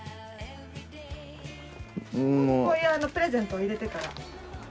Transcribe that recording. こういうあのプレゼントを入れてから。